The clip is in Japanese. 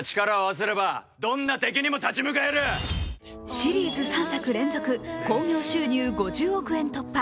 シリーズ３作連続、興行収入５０億円突破。